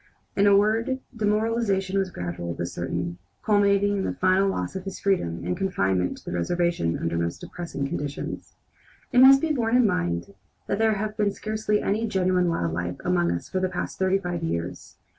In a word, demoralization was gradual but certain, culminating in the final loss of his freedom and confinement to the reservation under most depressing conditions. It must be borne in mind that there has been scarcely any genuine wild life among us for the past thirty five years.